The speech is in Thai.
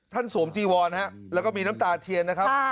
ท่านสวมจีวรนะครับแล้วก็มีน้ำตาเทียนนะครับ